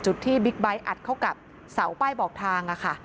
ที่บิ๊กไบท์อัดเข้ากับเสาป้ายบอกทางค่ะ